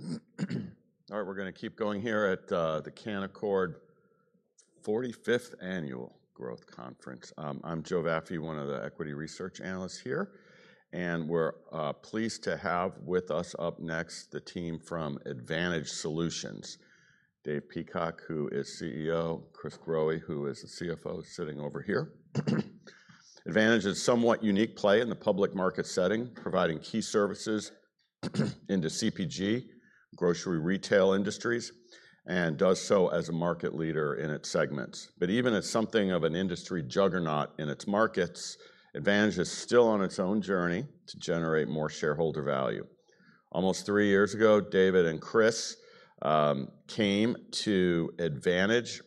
All right. All right. We're going to keep going here at the Canaccord 45th Annual Growth Conference. I'm Joe Vafi, one of the equity research analysts here. We're pleased to have with us up next the team from Advantage Solutions, Dave Peacock, who is CEO, Chris Growe, who is the CFO sitting over here. Advantage is a somewhat unique play in the public market setting, providing key services into CPG, grocery retail industries, and does so as a market leader in its segments. Even as something of an industry juggernaut in its markets, Advantage is still on its own journey to generate more shareholder value. Almost three years ago, Dave and Chris came to Advantage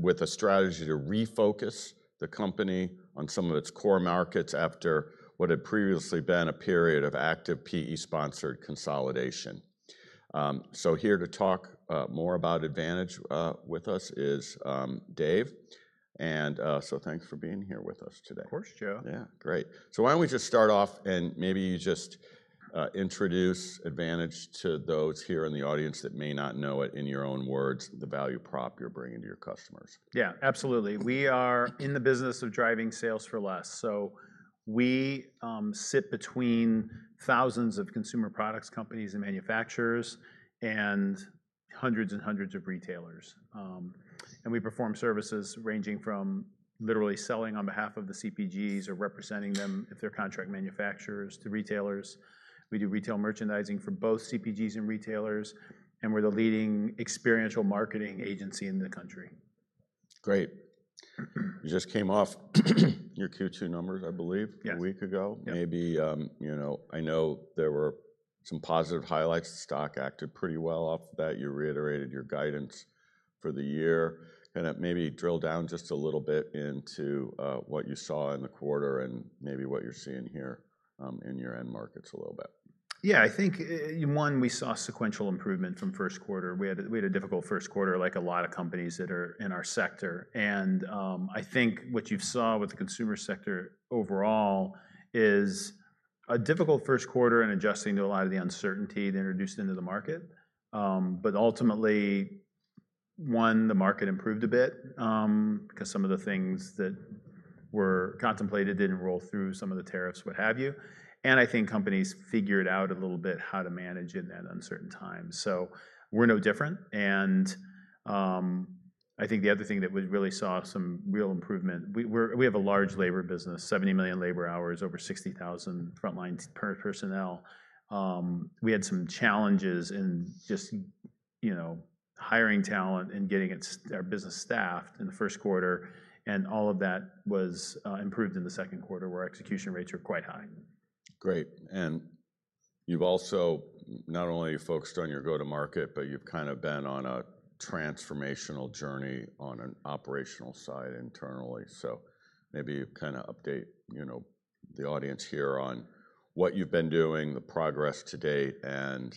with a strategy to refocus the company on some of its core markets after what had previously been a period of active PE-sponsored consolidation. Here to talk more about Advantage with us is Dave. Thanks for being here with us today. Of course, Joe. Great. Why don't we just start off and maybe you just introduce Advantage to those here in the audience that may not know it, in your own words, the value prop you're bringing to your customers? Absolutely. We are in the business of driving sales for less. We sit between thousands of consumer products companies and manufacturers and hundreds and hundreds of retailers. We perform services ranging from literally selling on behalf of the CPGs or representing them if they're contract manufacturers to retailers. We do retail merchandising for both CPGs and retailers, and we're the leading experiential marketing agency in the country. Great. You just came off your Q2 numbers, I believe, a week ago. I know there were some positive highlights. The stock acted pretty well off of that. You reiterated your guidance for the year. Maybe drill down just a little bit into what you saw in the quarter and what you're seeing here in your end markets a little bit. Yeah, I think, one, we saw a sequential improvement from the first quarter. We had a difficult first quarter, like a lot of companies that are in our sector. I think what you saw with the consumer sector overall is a difficult first quarter in adjusting to a lot of the uncertainty that introduced into the market. Ultimately, one, the market improved a bit because some of the things that were contemplated didn't roll through, some of the tariffs, what have you. I think companies figured out a little bit how to manage it in that uncertain time. We're no different. I think the other thing that we really saw some real improvement, we have a large labor business, 70 million labor hours, over 60,000 frontline personnel. We had some challenges in just, you know, hiring talent and getting our business staffed in the first quarter. All of that was improved in the second quarter where execution rates were quite high. Great. You've also not only focused on your go-to-market, but you've been on a transformational journey on an operational side internally. Maybe you update the audience here on what you've been doing, the progress to date, and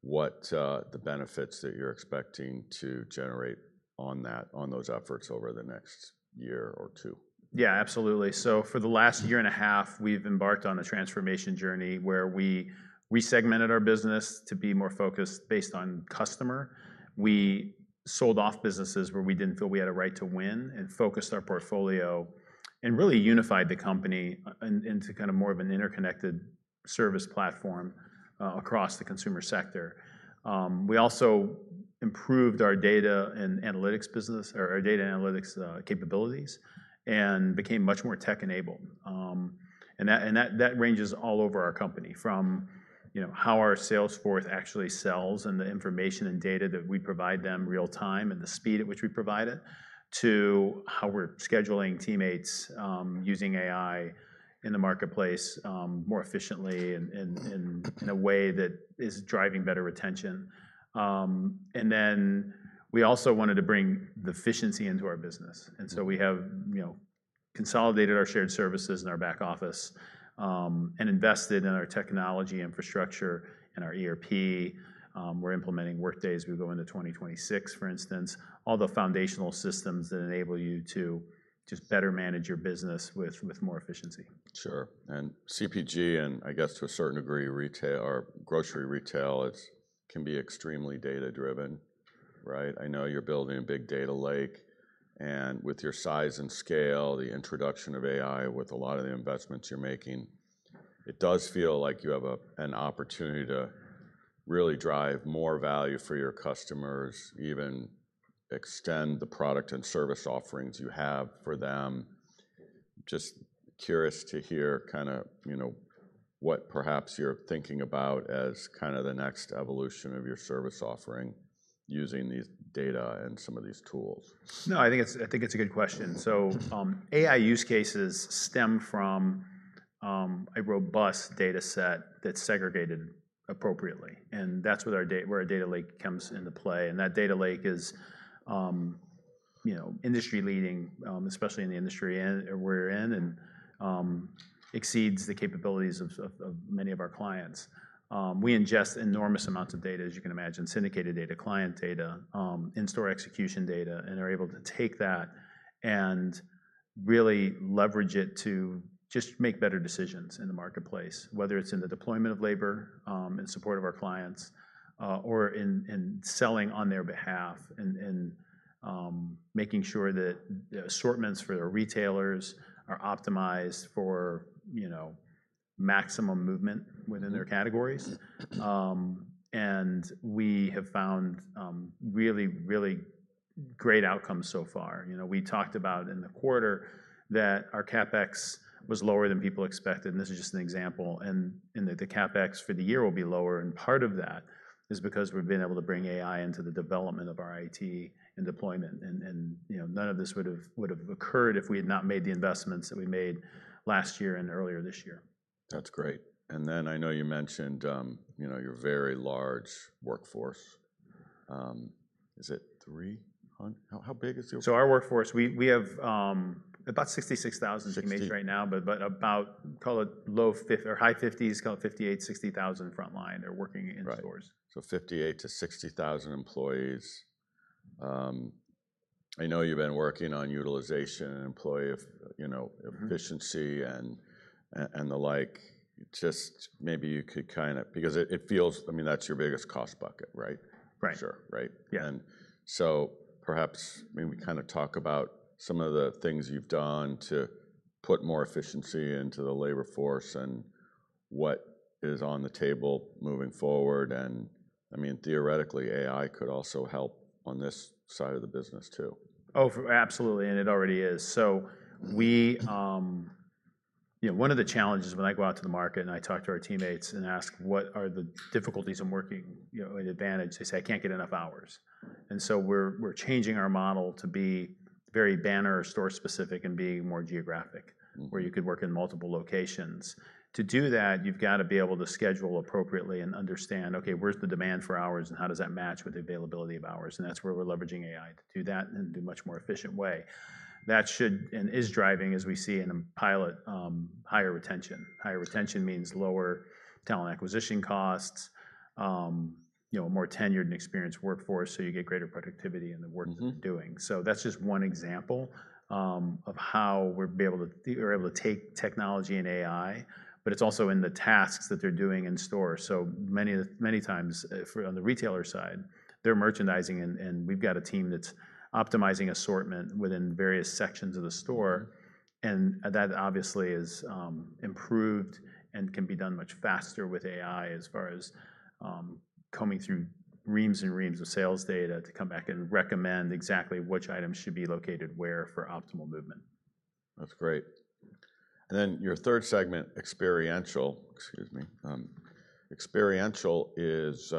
what the benefits that you're expecting to generate on those efforts over the next year or two. Yeah, absolutely. For the last year and a half, we've embarked on a transformation journey where we resegmented our business to be more focused based on customer. We sold off businesses where we didn't feel we had a right to win and focused our portfolio and really unified the company into more of an interconnected service platform across the consumer sector. We also improved our data and analytics business, or our data analytics capabilities, and became much more tech-enabled. That ranges all over our company from how our sales force actually sells and the information and data that we provide them real-time and the speed at which we provide it to how we're scheduling teammates using AI in the marketplace more efficiently and in a way that is driving better retention. We also wanted to bring the efficiency into our business. We have consolidated our shared services in our back office and invested in our technology infrastructure and our ERP. We're implementing Workday as we go into 2026, for instance, all the foundational systems that enable you to just better manage your business with more efficiency. Sure. CPG, and I guess to a certain degree, retail or grocery retail can be extremely data-driven, right? I know you're building a big data lake. With your size and scale, the introduction of AI with a lot of the investments you're making, it does feel like you have an opportunity to really drive more value for your customers, even extend the product and service offerings you have for them. Just curious to hear what perhaps you're thinking about as the next evolution of your service offering using these data and some of these tools. No, I think it's a good question. AI use cases stem from a robust data set that's segregated appropriately. That's where our data lake comes into play. That data lake is, you know, industry-leading, especially in the industry we're in, and exceeds the capabilities of many of our clients. We ingest enormous amounts of data, as you can imagine, syndicated data, client data, in-store execution data, and are able to take that and really leverage it to just make better decisions in the marketplace, whether it's in the deployment of labor in support of our clients or in selling on their behalf and making sure that the assortments for their retailers are optimized for, you know, maximum movement within their categories. We have found really, really great outcomes so far. We talked about in the quarter that our CapEx was lower than people expected. This is just an example. The CapEx for the year will be lower. Part of that is because we've been able to bring AI into the development of our IT and deployment. None of this would have occurred if we had not made the investments that we made last year and earlier this year. That's great. I know you mentioned your very large workforce. Is it 300? How big is it? Our workforce, we have about 66,000 teammates right now, but about, call it low or high 50s, call it 58,000, 60,000 frontline. They're working indoors. Right. 58,000-60,000 employees. I know you've been working on utilization and employee efficiency and the like. Maybe you could kind of, because it feels, I mean, that's your biggest cost bucket, right? Right. Sure, right. Perhaps, I mean, we kind of talk about some of the things you've done to put more efficiency into the labor force and what is on the table moving forward. I mean, theoretically, AI could also help on this side of the business too. Oh, absolutely. It already is. One of the challenges when I go out to the market and I talk to our teammates and ask, what are the difficulties in working in Advantage? They say, I can't get enough hours. We're changing our model to be very banner or store specific and being more geographic, where you could work in multiple locations. To do that, you've got to be able to schedule appropriately and understand, OK, where's the demand for hours and how does that match with the availability of hours? That's where we're leveraging AI to do that in a much more efficient way. That should, and is driving, as we see in a pilot, higher retention. Higher retention means lower talent acquisition costs, a more tenured and experienced workforce, so you get greater productivity in the work that you're doing. That's just one example of how we're able to take technology and AI, but it's also in the tasks that they're doing in store. Many times on the retailer side, they're merchandising, and we've got a team that's optimizing assortment within various sections of the store. That obviously is improved and can be done much faster with AI as far as combing through reams and reams of sales data to come back and recommend exactly which items should be located where for optimal movement. That's great. Your third segment, experiential, is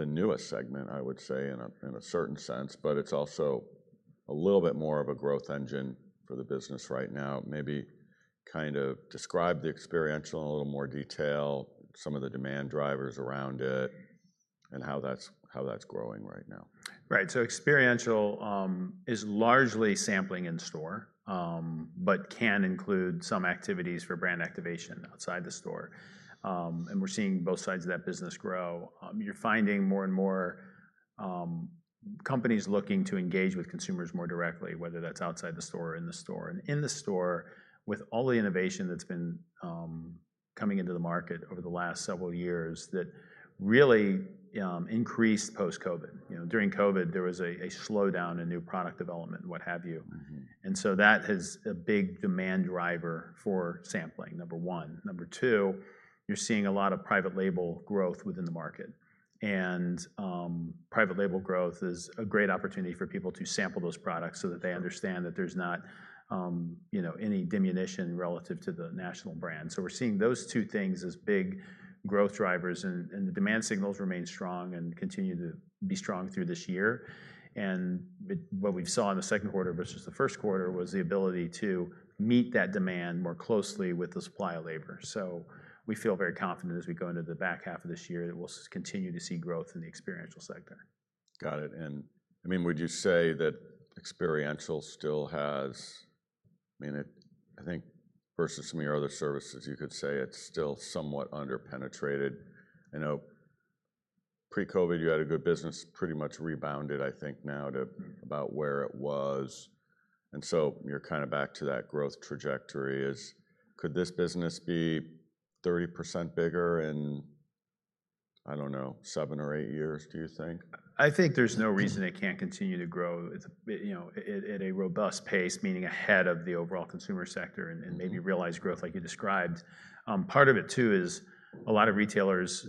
the newest segment, I would say, in a certain sense, but it's also a little bit more of a growth engine for the business right now. Maybe kind of describe the experiential in a little more detail, some of the demand drivers around it, and how that's growing right now. Right. Experiential is largely sampling in store, but can include some activities for brand activation outside the store. We're seeing both sides of that business grow. You're finding more and more companies looking to engage with consumers more directly, whether that's outside the store or in the store. In the store, with all the innovation that's been coming into the market over the last several years, that really increased post-COVID. During COVID, there was a slowdown in new product development and what have you. That is a big demand driver for sampling, number one. Number two, you're seeing a lot of private label growth within the market. Private label growth is a great opportunity for people to sample those products so that they understand that there's not, you know, any diminution relative to the national brand. We're seeing those two things as big growth drivers. The demand signals remain strong and continue to be strong through this year. What we saw in the second quarter versus the first quarter was the ability to meet that demand more closely with the supply of labor. We feel very confident as we go into the back half of this year that we'll continue to see growth in the experiential sector. Got it. Would you say that experiential still has, I mean, I think versus some of your other services, you could say it's still somewhat underpenetrated? I know pre-COVID, you had a good business pretty much rebounded, I think, now to about where it was, so you're kind of back to that growth trajectory. Could this business be 30% bigger in, I don't know, seven or eight years, do you think? I think there's no reason it can't continue to grow at a robust pace, meaning ahead of the overall consumer sector and maybe realize growth like you described. Part of it, too, is a lot of retailers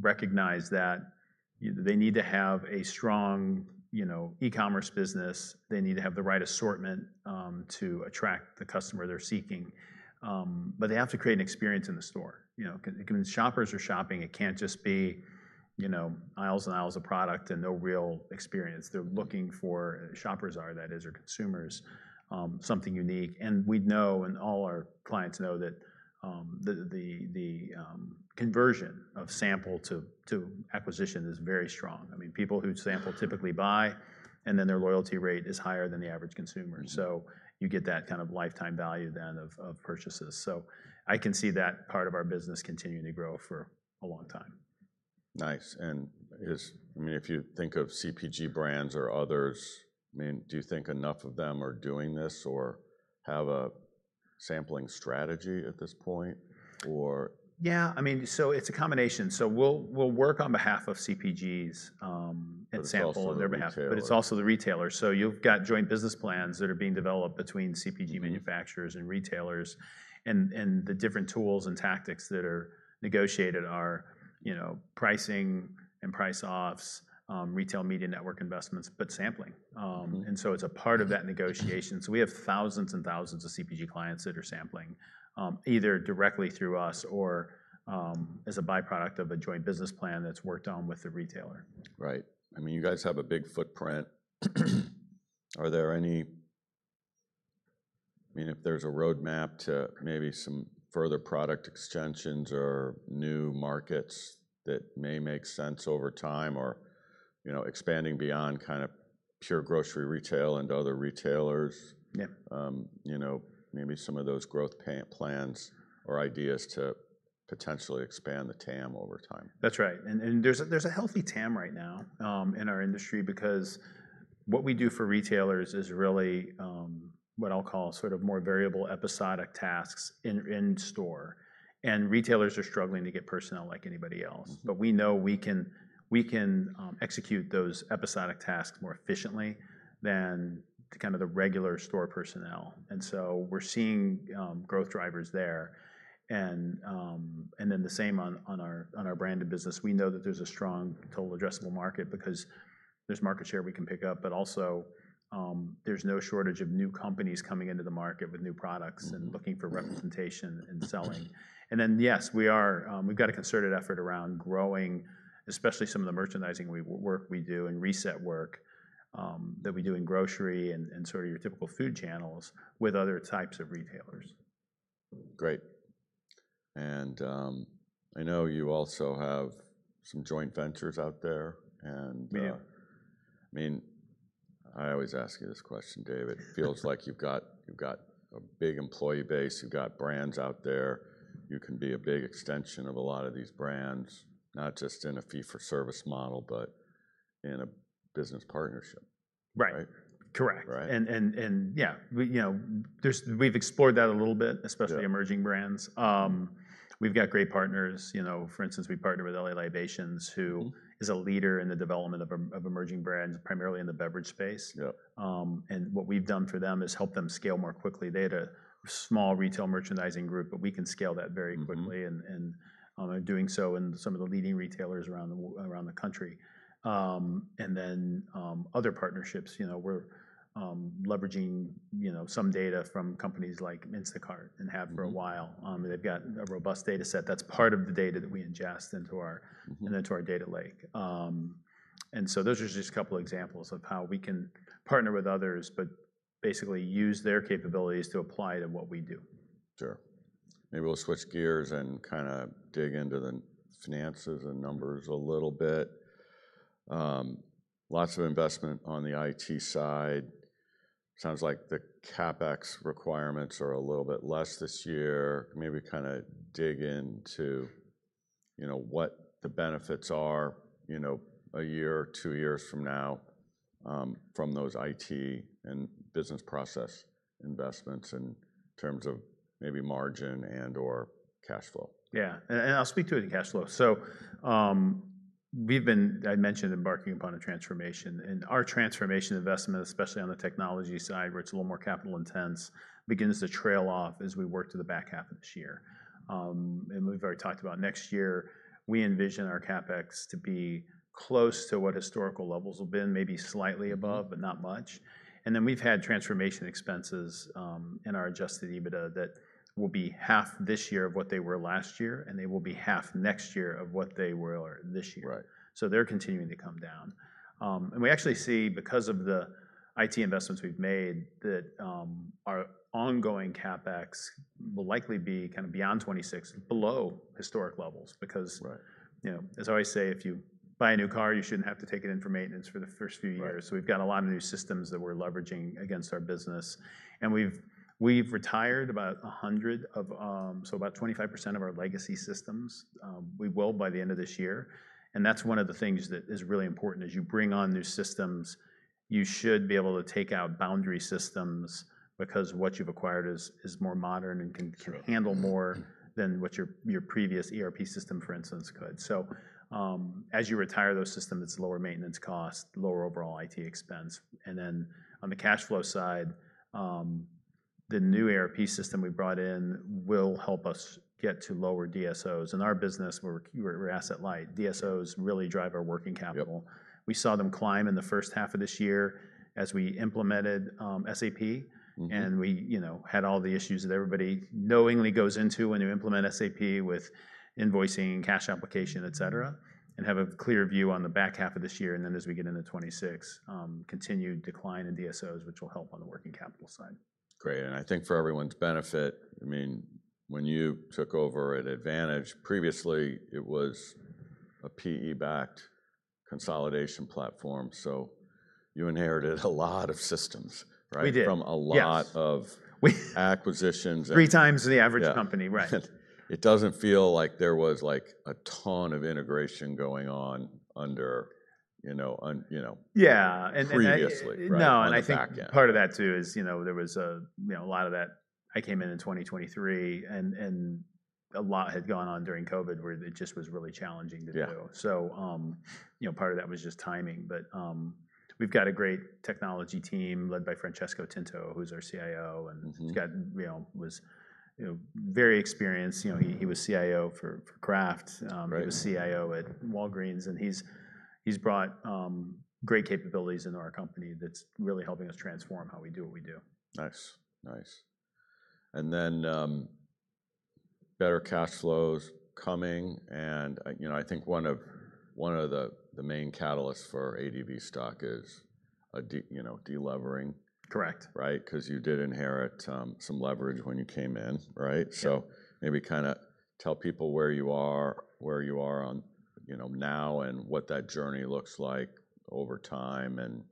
recognize that they need to have a strong e-commerce business. They need to have the right assortment to attract the customer they're seeking. They have to create an experience in the store. Shoppers are shopping. It can't just be aisles and aisles of product and no real experience. They're looking for, shoppers are, that is, or consumers, something unique. We know, and all our clients know, that the conversion of sample to acquisition is very strong. People who sample typically buy, and then their loyalty rate is higher than the average consumer. You get that kind of lifetime value then of purchases. I can see that part of our business continuing to grow for a long time. If you think of CPG brands or others, do you think enough of them are doing this or have a sampling strategy at this point? Yeah, I mean, it's a combination. We'll work on behalf of CPGs and sample on their behalf, but it's also the retailers. You've got joint business plans that are being developed between CPG manufacturers and retailers, and the different tools and tactics that are negotiated are, you know, pricing and price offs, retail media network investments, but sampling. It's a part of that negotiation. We have thousands and thousands of CPG clients that are sampling either directly through us or as a byproduct of a joint business plan that's worked on with the retailer. Right. I mean, you guys have a big footprint. Are there any, I mean, if there's a roadmap to maybe some further product extensions or new markets that may make sense over time, or expanding beyond kind of pure grocery retail and other retailers, maybe some of those growth plans or ideas to potentially expand the TAM over time. That's right. There's a healthy TAM right now in our industry because what we do for retailers is really what I'll call sort of more variable episodic tasks in store. Retailers are struggling to get personnel like anybody else. We know we can execute those episodic tasks more efficiently than kind of the regular store personnel, so we're seeing growth drivers there. The same on our brand and business, we know that there's a strong total addressable market because there's market share we can pick up. Also, there's no shortage of new companies coming into the market with new products and looking for representation and selling. Yes, we've got a concerted effort around growing, especially some of the merchandising work we do and reset work that we do in grocery and sort of your typical food channels with other types of retailers. Great. I know you also have some joint ventures out there. I mean, I always ask you this question, Dave. It feels like you've got a big employee base. You've got brands out there. You can be a big extension of a lot of these brands, not just in a fee-for-service model, but in a business partnership. Right. Correct. We've explored that a little bit, especially emerging brands. We've got great partners. For instance, we partner with L.A. Libations, who is a leader in the development of emerging brands, primarily in the beverage space. What we've done for them is help them scale more quickly. They had a small retail merchandising group, but we can scale that very quickly, doing so in some of the leading retailers around the country. Other partnerships, we're leveraging some data from companies like Instacart and have for a while. They've got a robust data set that's part of the data that we ingest into our data lake. Those are just a couple of examples of how we can partner with others, but basically use their capabilities to apply to what we do. Sure. Maybe we'll switch gears and kind of dig into the finances and numbers a little bit. Lots of investment on the IT side. Sounds like the CapEx requirements are a little bit less this year. Maybe kind of dig into what the benefits are a year or two years from now from those IT and business process investments in terms of maybe margin and/or cash flow. Yeah, and I'll speak to it in cash flow. We've been, I mentioned, embarking upon a transformation. Our transformation investment, especially on the technology side, where it's a little more capital intense, begins to trail off as we work to the back half of this year. We've already talked about next year, we envision our CapEx to be close to what historical levels have been, maybe slightly above, but not much. We've had transformation expenses in our adjusted EBITDA that will be half this year of what they were last year, and they will be half next year of what they were this year. They're continuing to come down. We actually see, because of the IT investments we've made, that our ongoing CapEx will likely be kind of beyond 2026, below historic levels. As I always say, if you buy a new car, you shouldn't have to take it in for maintenance for the first few years. We've got a lot of new systems that we're leveraging against our business. We've retired about 100 of, so about 25% of our legacy systems. We will by the end of this year. One of the things that is really important is you bring on new systems, you should be able to take out boundary systems because what you've acquired is more modern and can handle more than what your previous ERP system, for instance, could. As you retire those systems, it's lower maintenance costs, lower overall IT expense. On the cash flow side, the new ERP system we brought in will help us get to lower DSOs. In our business, we're asset light. DSOs really drive our working capital. We saw them climb in the first half of this year as we implemented SAP. We had all the issues that everybody knowingly goes into when they implement SAP with invoicing, cash application, et cetera, and have a clear view on the back half of this year. As we get into 2026, continued decline in DSOs, which will help on the working capital side. Great. I think for everyone's benefit, I mean, when you took over at Advantage, previously it was a PE-backed consolidation platform. You inherited a lot of systems, right? We did. From a lot of acquisitions. Three times the average company, right. It doesn't feel like there was a ton of integration going on previously. Yeah. I think part of that too is, you know, there was a lot of that. I came in in 2023 and a lot had gone on during COVID where it just was really challenging to do. Part of that was just timing. We've got a great technology team led by Francesco Tinto, who's our CIO and was very experienced. He was CIO for Kraft. He was CIO at Walgreens. He's brought great capabilities in our company that's really helping us transform how we do what we do. Nice. Nice. Better cash flows coming. I think one of the main catalysts for ADV stock is a de-levering. Correct. Right? Because you did inherit some leverage when you came in, right? Maybe kind of tell people where you are, where you are on, you know, now and what that journey looks like over time, and,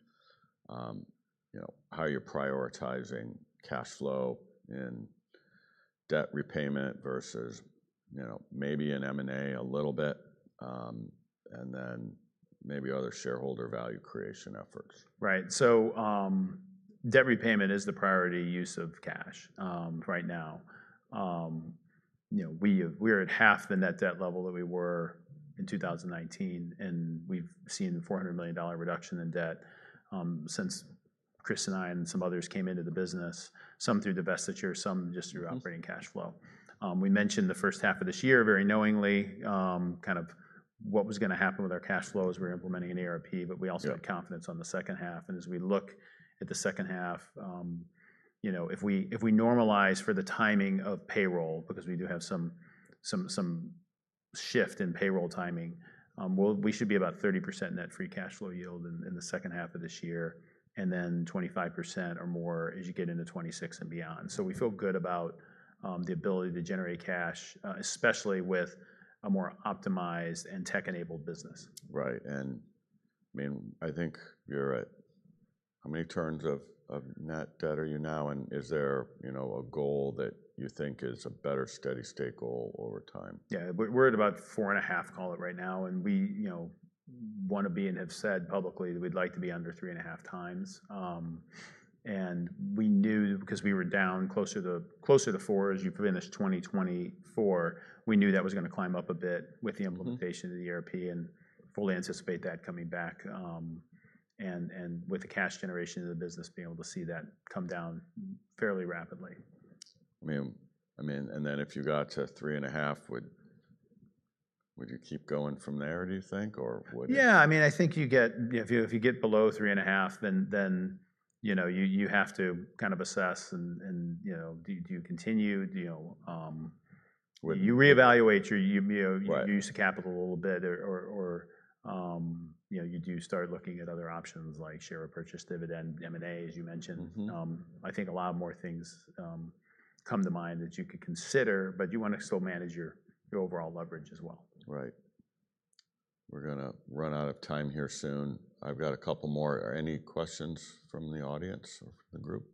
you know, how you're prioritizing cash flow and debt repayment versus, you know, maybe an M&A a little bit. Maybe other shareholder value creation efforts. Right. Debt repayment is the priority use of cash right now. We're at half in that debt level that we were in 2019, and we've seen a $400 million reduction in debt since Chris and I and some others came into the business, some through divestitures, some just through operating cash flow. We mentioned the first half of this year very knowingly, kind of what was going to happen with our cash flow as we're implementing an ERP. We also have confidence on the second half. As we look at the second half, if we normalize for the timing of payroll, because we do have some shift in payroll timing, we should be about 30% net free cash flow yield in the second half of this year, and then 25% or more as you get into 2026 and beyond. We feel good about the ability to generate cash, especially with a more optimized and tech-enabled business. Right. I think you're right. How many turns of net debt are you now, and is there a goal that you think is a better steady state goal over time? Yeah, we're at about 4.5x, call it right now. We want to be and have said publicly that we'd like to be under 3.5x. We knew because we were down closer to 4x as you finished 2024, we knew that was going to climb up a bit with the implementation of the ERP. We fully anticipate that coming back. With the cash generation of the business, being able to see that come down fairly rapidly. If you got to 3.5x, would you keep going from there, do you think? Or would? Yeah, I mean, I think you get, you know, if you get below 3.5x, then you have to kind of assess and, you know, do you continue, you know, you reevaluate your use of capital a little bit or you do start looking at other options like share repurchase, dividend, M&A, as you mentioned. I think a lot more things come to mind that you could consider, but you want to still manage your overall leverage as well. Right. We're going to run out of time here soon. I've got a couple more. Are there any questions from the audience or the group?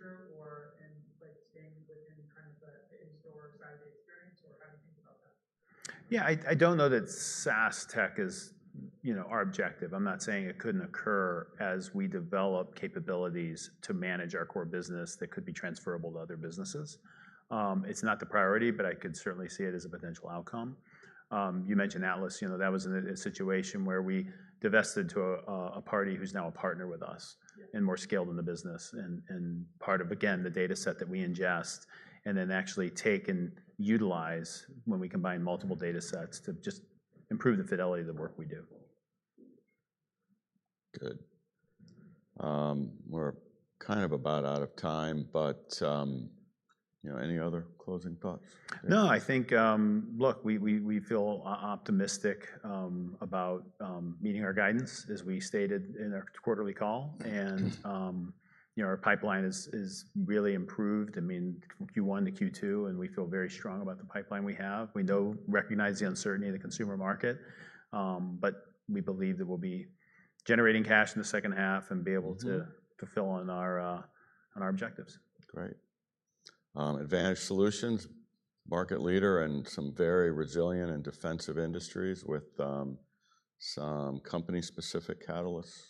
Do you think that list is committed? Just being free, sort of not looking into SaaS tech that is integrated, that you would expand in the future or like staying within kind of the in-store side experience? I don't know that SaaS tech is our objective. I'm not saying it couldn't occur as we develop capabilities to manage our core business that could be transferable to other businesses. It's not the priority, but I could certainly see it as a potential outcome. You mentioned Atlas, that was a situation where we divested to a party who's now a partner with us and more scaled in the business and part of, again, the data set that we ingest and then actually take and utilize when we combine multiple data sets to just improve the fidelity of the work we do. Good. We're kind of about out of time, but you know, any other closing thoughts? No, I think, look, we feel optimistic about meeting our guidance, as we stated in our quarterly call. Our pipeline has really improved, Q1 to Q2, and we feel very strong about the pipeline we have. We recognize the uncertainty in the consumer market, but we believe that we'll be generating cash in the second half and be able to fulfill on our objectives. Great. Advantage Solutions, market leader in some very resilient and defensive industries with some company-specific catalysts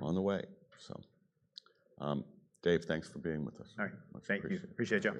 on the way. Dave, thanks for being with us. All right. Thank you. Appreciate you all.